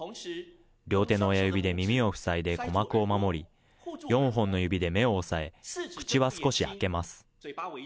両手の親指で耳を塞いで鼓膜を守り、４本の指で目を押さえ、口は少し開けます。